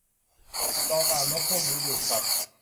ลองตามนกพวกนี้ดูครับ